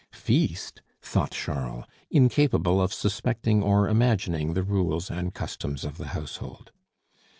"Feast!" thought Charles, incapable of suspecting or imagining the rules and customs of the household.